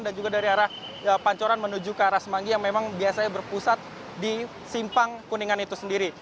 juga dari arah pancoran menuju ke arah semanggi yang memang biasanya berpusat di simpang kuningan itu sendiri